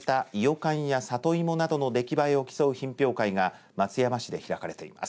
かんや里芋などの出来栄えを競う品評会が松山市で開かれています。